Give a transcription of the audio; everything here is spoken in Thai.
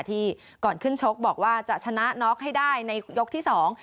ก่อนขึ้นชกบอกว่าจะชนะน็อกให้ได้ในยกที่สอง